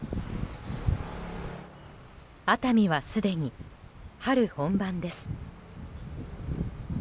熱海はすでに春本番です。